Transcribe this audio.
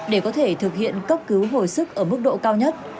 để có thể thực hiện cấp cứu hồi sức ở mức độ cao nhất